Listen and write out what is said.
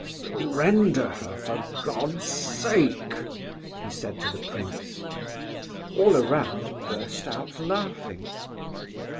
"Surrender her, for God's sake!" he said to the prince. All around burst out laughing.